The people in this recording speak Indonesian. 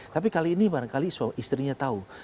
tapi kali ini barangkali istrinya tahu